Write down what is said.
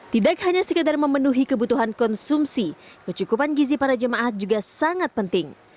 tidak hanya sekedar memenuhi kebutuhan konsumsi kecukupan gizi para jemaah juga sangat penting